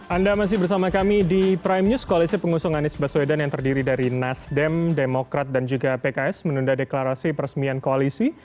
anda masih bersama kami di prime news koalisi pengusung anies baswedan yang terdiri dari nasdem demokrat dan juga pks menunda deklarasi peresmian koalisi